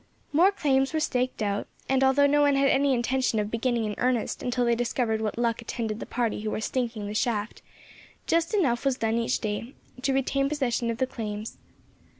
More claims were staked out, and although no one had any intention of beginning in earnest until they discovered what luck attended the party who were sinking the shaft, just enough was done each day to retain possession of the claims.